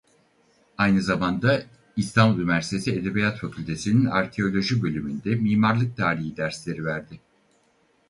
Aynı zamanda İstanbul Üniversitesi Edebiyat Fakültesi'nin arkeoloji bölümünde mimarlık tarihi dersleri verdi.